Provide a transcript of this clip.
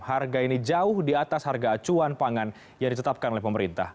harga ini jauh di atas harga acuan pangan yang ditetapkan oleh pemerintah